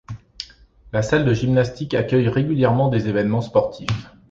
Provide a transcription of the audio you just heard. La salle de gymnastique accueille régulièrement des événements sportifs.